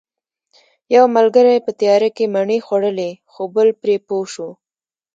یو ملګری په تیاره کې مڼې خوړلې خو بل پرې پوه شو